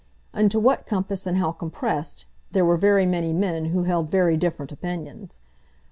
Into what compass and how compressed, there were very many men who held very different opinions.